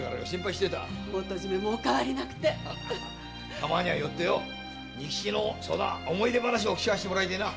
たまには寄って仁吉の思い出話を聞かせてもらいてえな！